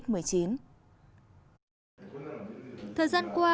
thời gian qua